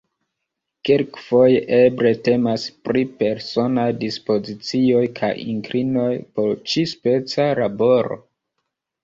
Kelkfoje eble temas pri personaj dispozicioj kaj inklinoj por ĉi-speca laboro?